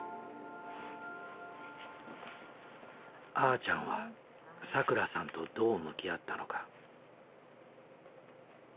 あーちゃんはさくらさんとどう向き合ったのか。